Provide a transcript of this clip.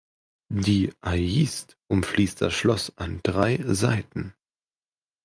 Die Aist umfließt das Schloss an drei Seiten.